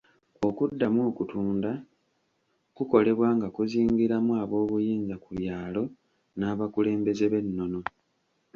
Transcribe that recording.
Okuddamu okutunda kukolebwa nga kuzingiramu aboobuyinza ku byalo n'abakulembeze b'ennono.